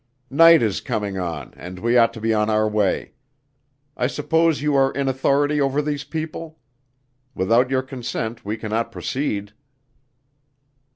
"Night is coming on and we ought to be on our way. I suppose you are in authority over these people. Without your consent we cannot proceed."